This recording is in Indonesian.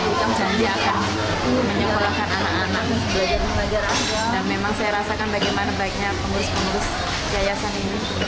dan memang saya rasakan bagaimana baiknya pengurus pengurus yayasan ini